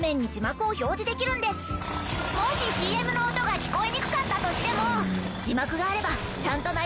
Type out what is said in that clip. もしＣＭの音が聞こえにくかったとしても。